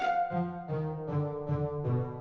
mbak surti kamu sudah berhasil